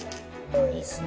いいですね。